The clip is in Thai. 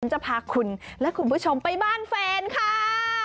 จะพาคุณและคุณผู้ชมไปบ้านแฟนค่ะ